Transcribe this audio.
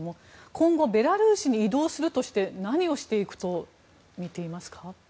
今後、ベラルーシに移動するとして何をしていくとみていますか？